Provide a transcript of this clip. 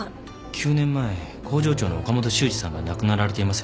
９年前工場長の岡本修二さんが亡くなられていますよね。